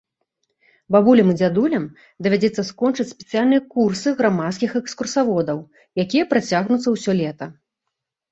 Бабулям і дзядулям давядзецца скончыць спецыяльныя курсы грамадскіх экскурсаводаў, якія працягнуцца ўсё лета.